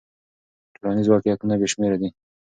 ټولنیز واقعیتونه بې شمېره دي.